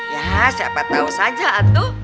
ya siapa tahu saja atu